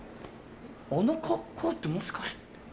あの格好ってもしかして。